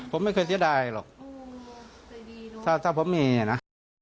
ผมไม่เคยเสียดายหรอกถ้าผมมีนะ